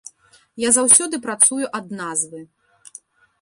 Я заўсёды працую ад назвы.